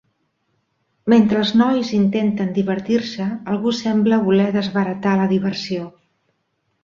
Mentre els nois intenten divertir-se, algú sembla voler desbaratar la diversió.